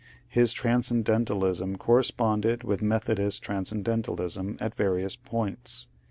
His transcendentalism ^rresponded with Methodist transcendentalism at various points.